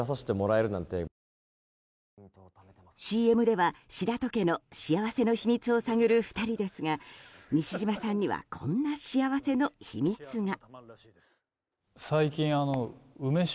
ＣＭでは白戸家の幸せの秘密を探る２人ですが西島さんにはこんな幸せの秘密が。